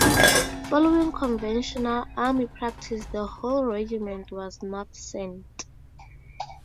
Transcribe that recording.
Following conventional army practice the whole regiment was not sent.